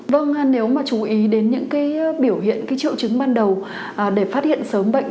vâng nếu mà chú ý đến những cái biểu hiện cái triệu chứng ban đầu để phát hiện sớm bệnh